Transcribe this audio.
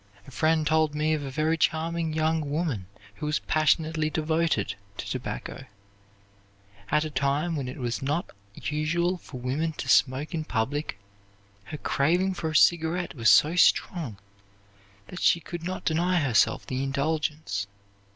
A friend told me of a very charming young woman who was passionately devoted to tobacco. At a time when it was not usual for women to smoke in public her craving for a cigarette was so strong that she could not deny herself the indulgence.